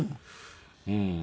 うん。